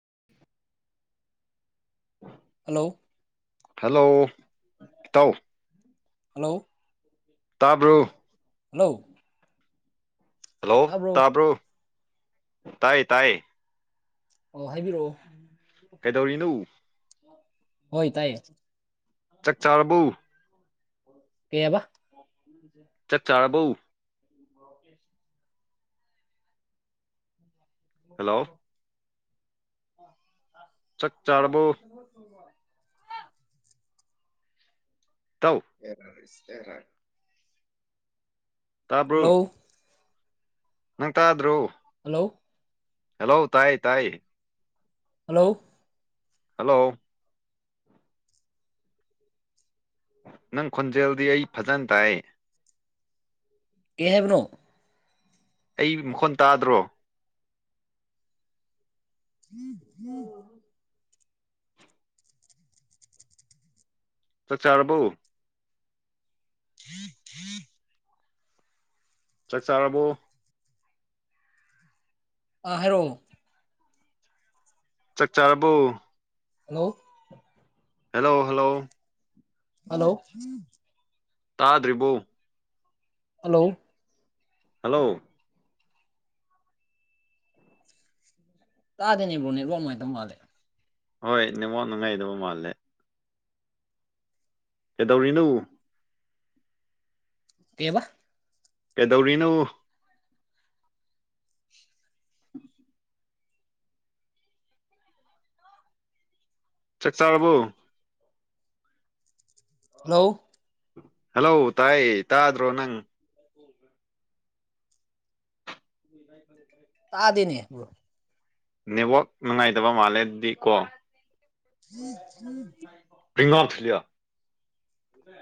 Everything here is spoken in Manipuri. [inaudible] ꯍꯜꯂꯣ ꯍꯜꯂꯣ ꯇꯧ ꯍꯜꯂꯣ ꯇꯥꯕ꯭ꯔꯨ ꯍꯜꯂꯣ ꯍꯜꯂꯣ ꯇꯥꯕ꯭ꯔꯣ ꯇꯥꯏ ꯇꯥꯏ ꯑꯣ ꯍꯥꯏꯕꯤꯔꯛꯑꯣ ꯀꯩꯗꯧꯔꯤꯅꯣ ꯍꯣꯏ ꯇꯥꯏꯌꯦ ꯆꯥꯛꯆꯥꯥꯔꯔꯕꯧ ꯀ ꯌꯥꯕ ꯆꯛꯆꯥꯥꯔꯕꯣ [inaudible] ꯍꯜꯂꯣ ꯆꯥꯛ ꯑ ꯆꯥꯔꯕꯣ [inaudible] ꯏꯇꯥꯎ ꯑꯦꯔꯁ ꯍꯔ ꯇꯕꯔꯣ ꯅꯪ ꯇꯥꯗ꯭ꯔꯣ ꯊ [inaudible] ꯍꯜꯂꯣ ꯇꯥꯏ ꯇꯥꯏ ꯍꯜꯂꯣ ꯍꯜꯂꯣ ꯅꯪ ꯈꯣꯟꯖꯦꯜꯗꯤ ꯑꯩ ꯐꯖꯅ ꯇꯥꯏ ꯀꯩꯍꯥꯏꯕꯅꯣ ꯑꯩ ꯃꯈꯣꯟ ꯇꯥꯗ꯭ꯔꯣ [unintelligible] ꯆ ꯆꯥꯔꯕꯎ [inaudible] ꯆꯥꯛ ꯆꯥꯔꯕꯣ ꯑ ꯍꯥꯏꯔꯣ ꯆꯥꯛ ꯆꯥꯔꯕꯣ ꯍꯜꯂꯣ ꯍꯜꯂꯣ ꯍꯜꯂꯣ ꯍꯜꯂꯣ ꯇꯥꯗ꯭ꯔꯤꯕꯣ ꯍꯜꯂꯣ ꯍꯜꯂꯣ ꯇꯥꯗꯦꯅꯦ ꯕ꯭ꯔꯣ ꯅꯦꯠꯋ‍꯭ꯔꯥꯛ ꯅꯨꯡꯉꯥꯏꯇ ꯃꯥꯜꯂꯦ ꯍꯣꯏ ꯅꯤꯉꯣꯟ ꯅꯨꯡꯉꯥꯏꯗꯕ ꯃꯥꯜꯂꯦ ꯀꯩꯗꯧꯔꯤꯅꯣ ꯄꯦꯕ ꯀꯩꯗꯧꯔꯤꯅꯣ ꯆꯥꯛ ꯆꯥꯥꯔꯕ꯭ꯔ‌ꯣ ꯍꯜꯂ‌ꯣ ꯍꯜꯂꯣ ꯇꯥꯏ ꯇꯥꯗ꯭ꯔꯣ ꯅꯪ ꯎꯝ ꯇꯥꯗꯤꯅꯦ ꯅꯦꯠꯋꯥꯛ ꯅꯨꯡꯉꯥꯏꯗꯕ ꯃꯥꯜꯂꯦꯗꯤ ꯀꯣ [inaudible] ꯄ꯭ꯔꯤꯉꯝ ꯊꯂꯤꯌꯥꯂꯤꯌꯥ ꯎ